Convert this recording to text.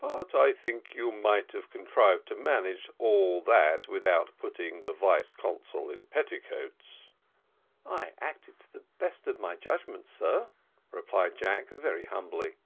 But I think you might have contrived to manage all that without putting the vice consul in petticoats." "I acted to the best of my judgment, sir," replied Jack, very humbly.